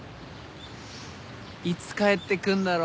いつ帰ってくんだろ。